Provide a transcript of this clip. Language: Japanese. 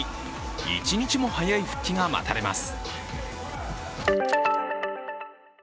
１日も早い復帰が待たれます。